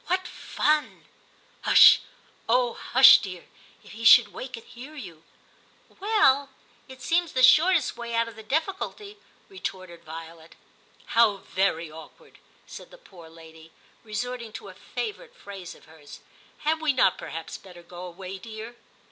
* What fun !'* Hush, oh ! hush, dear ; if he should wake and hear you !'' Well ? it seems the shortest way out of the difficulty,* retorted Violet. * How very awkward,' said the poor lady, resorting to a favourite phrase of hers. * Had we not perhaps better go away, dear